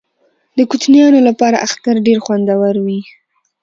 د کوچنیانو لپاره اختر ډیر خوندور وي.